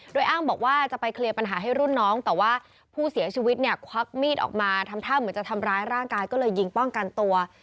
โดยอ้างบอกว่าจะไปเคลียร์ปัญหาให้รุ่นน้องแต่ว่าผู้เสียชีวิตเนี่ยควักมีดออกมาทำท่าเหมือนจะทำร้ายร่างกายก็เลยยิงป้องกันตัว